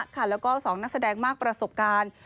แล้วก็๒นักแสดงมากประสบการณ์